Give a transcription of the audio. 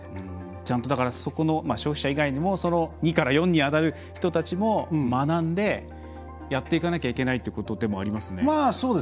ちゃんと、消費者以外にも２から４にあたる人たちも学んでやっていかなきゃいけないということでもありますね。